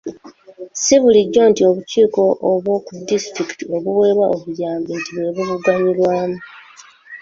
Ssi bulijjo nti obukiiko bw'oku disitulikiti obuweebwa obuyambi nti bwe bubuganyulwamu.